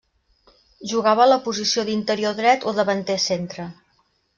Jugava a la posició d'interior dret o davanter centre.